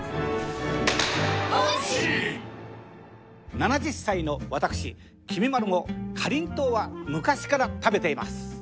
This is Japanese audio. ７０歳の私きみまろもかりんとうは昔から食べています。